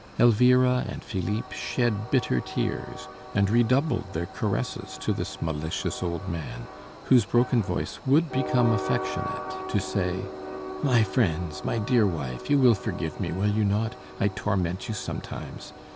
Elvira and Philippe shed bitter tears, and redoubled their caresses to this malicious old man, whose broken voice would become affectionate to say: "My friends, my dear wife, you will forgive me, will you not? I torment you sometimes.